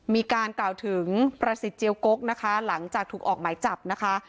มีการกล่าวถึงประสิทธิ์เจียวกกนะคะหลังจากถูกออกหมายจับนะคะ